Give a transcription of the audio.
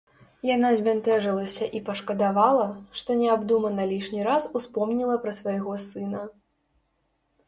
Яна збянтэжылася і пашкадавала, што неабдумана лішні раз успомніла пра свайго сына.